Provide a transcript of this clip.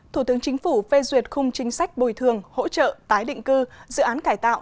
thủ tướng chính phủ phê duyệt khung chính sách bồi thường hỗ trợ tái định cư dự án cải tạo